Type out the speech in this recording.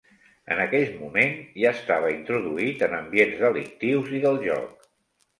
En aquell moment ja estava introduït en ambients delictius i del joc.